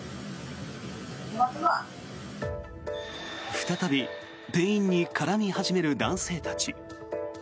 再び店員に絡み始める男性たち。